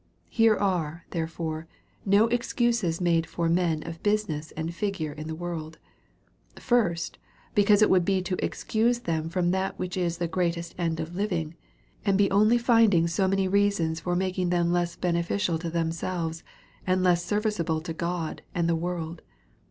Here are^ therefore^ no excuses made for men of business and figure in the world. Firsts Because it \vould be to excuse them from that which is the great est end of living ; and be only finding so many rea sons for making them less beneficial to themselves, and less serviceable to God and the world.